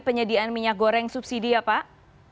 penyediaan minyak goreng subsidi ya pak